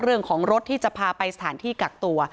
เรื่องของรถที่จะพาไปสถานที่กักตัว